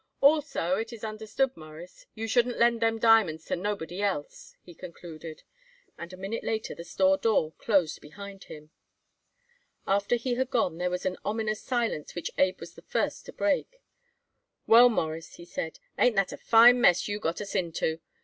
"Also it is understood, Mawruss, you shouldn't lend them diamonds to nobody else," he concluded, and a minute later the store door closed behind him. After he had gone there was an ominous silence which Abe was the first to break. "Well, Mawruss," he said, "ain't that a fine mess you got us into it?